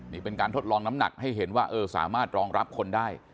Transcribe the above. นี่เป็นการทดลองน้ำหนักให้เห็นว่าเออสามารถรองรับคนได้